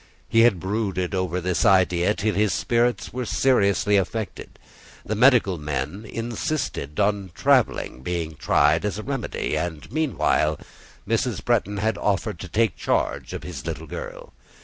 He had brooded over this idea till his spirits were seriously affected; the medical men insisted on travelling being tried as a remedy, and meanwhile Mrs. Bretton had offered to take charge of his little girl.